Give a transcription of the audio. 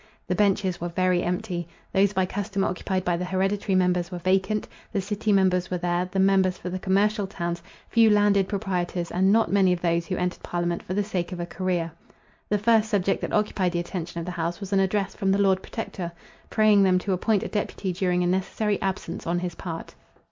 The benches were very empty, those by custom occupied by the hereditary members were vacant; the city members were there—the members for the commercial towns, few landed proprietors, and not many of those who entered parliament for the sake of a career. The first subject that occupied the attention of the house was an address from the Lord Protector, praying them to appoint a deputy during a necessary absence on his part.